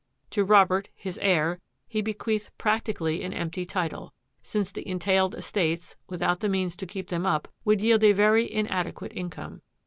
To Robert, his heir, he bequeathed practically an empty title, since the entailed estates, without the means to keep them up, would yield a very inadequate income.